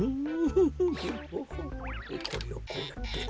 これをこうやって。